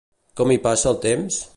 Com hi passa el temps?